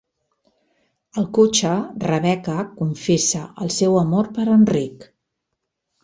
Al cotxe, Rebeca confessa el seu amor per Enric.